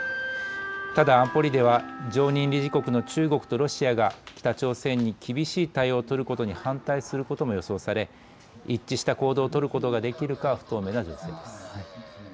ただ安保理では常任理事国の中国とロシアが北朝鮮に厳しい対応を取ることに反対することも予想され一致した行動を取ることができるかは不透明です。